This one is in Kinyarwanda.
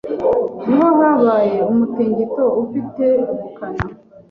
niho habaye umutingito ufite ubukana